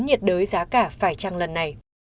nhiệt đới giá cả phải trăng lần nhất